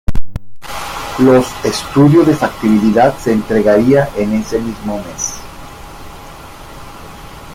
Los estudio de factibilidad se entregaría en ese mismo mes.